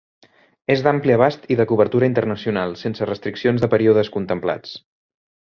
És d’ampli abast i de cobertura internacional, sense restriccions de períodes contemplats.